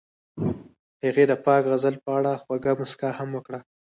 هغې د پاک غزل په اړه خوږه موسکا هم وکړه.